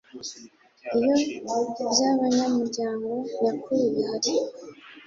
iyo by abanyamuryango nyakuri bihari